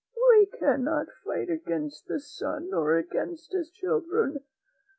•: n'flS^ We cannot fight against the Sun or against his children.